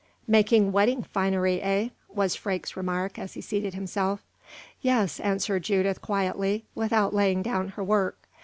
"Making wedding finery, eh?" was Freke's remark as he seated himself. "Yes," answered Judith, quietly, without laying down her work.